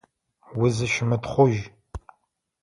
Узыщымытхъужь.